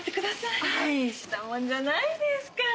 大したもんじゃないですから。